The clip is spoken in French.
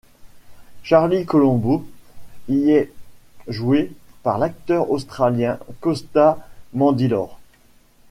Charlie Colombo y est joué par l'acteur australien Costas Mandylor.